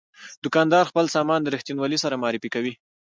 دوکاندار خپل سامان د رښتینولۍ سره معرفي کوي.